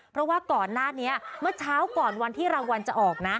เพราะว่าก่อนหน้านี้เมื่อเช้าก่อนวันที่รางวัลจะออกนะ